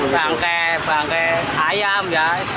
rangkai rangkai ayam ya